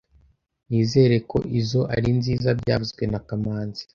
Nizere ko izoi ari nziza byavuzwe na kamanzi